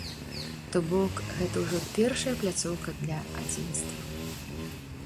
То бок, гэта ўжо першая пляцоўка для адзінства.